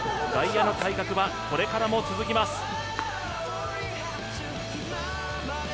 外野の改革はこれからも続きます。